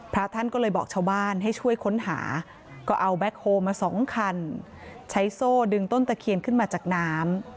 พระท่านก็เลยบอกชาวบ้านให้ช่วยค้นหาก็เอาแบ็คโฮมาสองคันใช้โซ่ดึงต้นตะเคียนขึ้นมาจากน้ำ